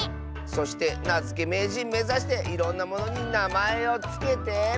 そしてなづけめいじんめざしていろんなものになまえをつけて。